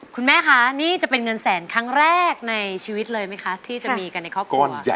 คุณแม่คะนี่จะเป็นเงินแสนครั้งแรกในชีวิตเลยไหมคะที่จะมีกันในครอบครัว